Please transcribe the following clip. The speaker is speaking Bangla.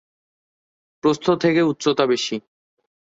প্রস্থ থেকে উচ্চতা বেশি।